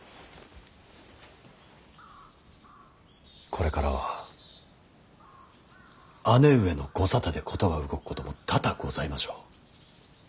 これからは姉上のご沙汰で事が動くことも多々ございましょう。